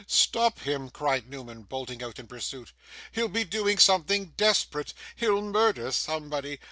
'Stop him!' cried Newman, bolting out in pursuit. 'He'll be doing something desperate; he'll murder somebody.